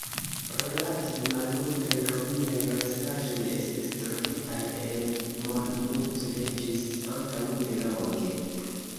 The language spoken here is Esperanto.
Relative malmultaj Romiaj restaĵoj estis trovitaj en Monmouth ĝis antaŭ nelonge.